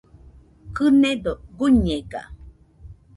Kɨnedo guiñega